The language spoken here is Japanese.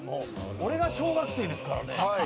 俺が小学生ですからね。